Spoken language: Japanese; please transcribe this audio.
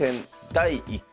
第１局。